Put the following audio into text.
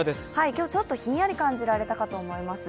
今日、ちょっとひんやり感じられたかと思います。